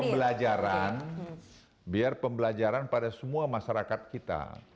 pembelajaran biar pembelajaran pada semua masyarakat kita